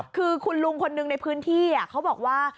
คือคุณลุงคนหนึ่งในพื้นที่เขาบอกว่า